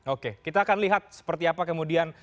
oke kita akan lihat seperti apa kemudian